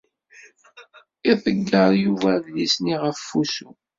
Iḍeyyeṛ Yuba adlis-nni ɣef wusu.